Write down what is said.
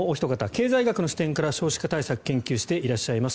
経済学の視点から少子化対策を研究していらっしゃいます